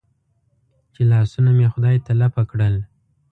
چې لاسونه مې خدای ته لپه کړل.